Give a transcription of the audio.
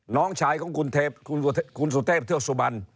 น้องชายของคุณสุเทพเทือกสุบัน